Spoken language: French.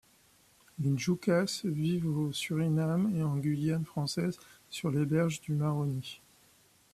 Les Ndjukas vivent au Suriname et en Guyane française sur les berges du Maroni.